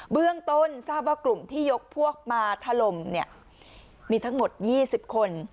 เบื้องต้นทราบว่ากลุ่มที่ยกพวกมาถล่มเนี่ยมีทั้งหมด๒๐คน